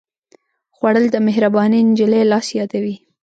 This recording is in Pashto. خوړل د مهربانې نجلۍ لاس یادوي